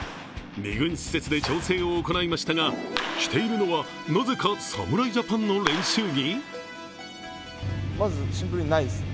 ２軍施設で調整を行いましたが、着ているのはなぜか侍ジャパンの練習着。